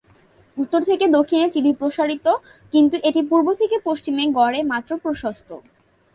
উত্তর থেকে দক্ষিণে চিলি প্রসারিত কিন্তু এটি পূর্ব থেকে পশ্চিমে গড়ে মাত্র প্রশস্ত।